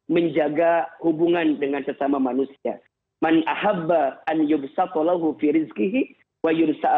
menjaga hubungan dengan sesama manusia